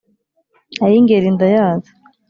Ay’Ingeri ndayazi,